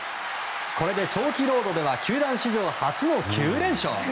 これで長期ロードでは球団史上初の９連勝。